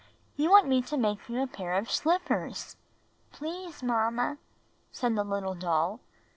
"You want me to make you a pair of slippers!" "Please, Mamma," said the little doll.